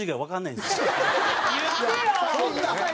言ってよ！